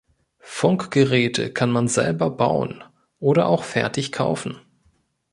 Funkgeräte kann man selber bauen oder auch fertig kaufen.